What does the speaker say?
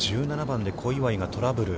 １７番で小祝がトラブル。